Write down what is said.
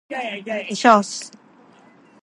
化粧水 ｓ